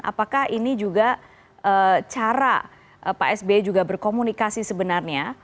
apakah ini juga cara pak sby juga berkomunikasi sebenarnya